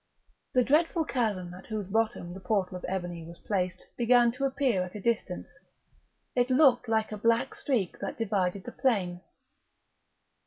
The dreadful chasm at whose bottom the portal of ebony was placed began to appear at a distance; it looked like a black streak that divided the plain.